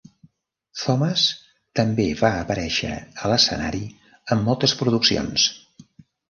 Thomas també va aparèixer a l'escenari en moltes produccions.